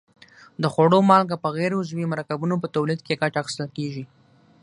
د خوړو مالګه په غیر عضوي مرکبونو په تولید کې ګټه اخیستل کیږي.